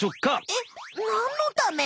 えっ何のため？